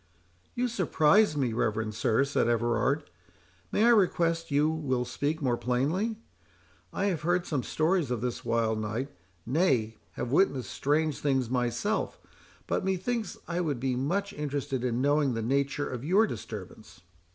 "You surprise me, reverend sir," said Everard;—"may I request you will speak more plainly? I have heard some stories of this wild night, nay, have witnessed strange things myself; but, methinks, I would be much interested in knowing the nature of your disturbance."